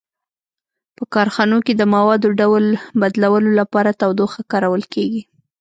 په کارخانو کې د موادو ډول بدلولو لپاره تودوخه کارول کیږي.